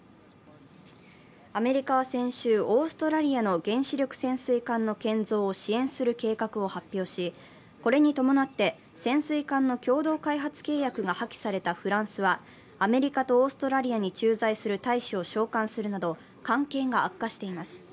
アメリカは先週、オーストラリアの原子力潜水艦の建造を支援する計画を発表し、これに伴って潜水艦の共同開発契約が破棄されたフランスはアメリカとオーストラリアに駐在する大使を召還するなど関係が悪化しています。